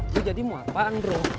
lo jadi mau apaan bro